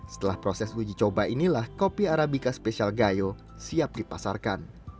setelah proses uji coba inilah kopi arabica spesial gayo siap dipasarkan